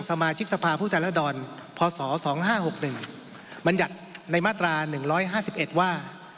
สมาชิกสภาพุทธรรดรพศ๒๕๖๑มัญญัติในมาตรา๑๕๑ว่า